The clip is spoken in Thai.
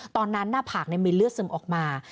ตอนนั้นหน้าผากในมีเลือดซึมออกมา